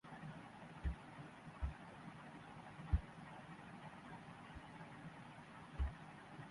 প্রথম বিশ্বযুদ্ধের পরে একটি গণভোটে এখানকার অধিবাসীরা জার্মানির অন্তর্ভুক্ত হবার ব্যাপারে মত দেন।